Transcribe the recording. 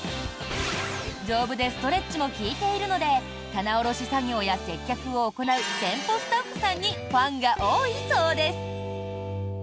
丈夫でストレッチも利いているので棚卸し作業や接客を行う店舗スタッフさんにファンが多いそうです。